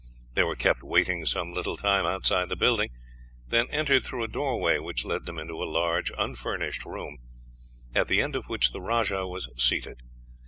They were kept waiting some little time outside the building, then entered through a doorway which led them into a large, unfurnished room, at the end of which the rajah was seated.